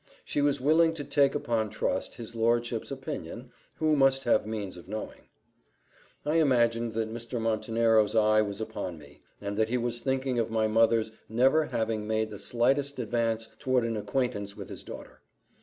She was willing to take upon trust his lordship's opinion, who must have means of knowing. I imagined that Mr. Montenero's eye was upon me, and that he was thinking of my mother's never having made the slightest advance towards an acquaintance with his daughter.